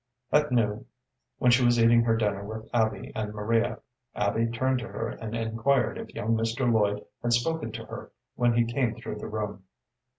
At noon, when she was eating her dinner with Abby and Maria, Abby turned to her and inquired if young Mr. Lloyd had spoken to her when he came through the room.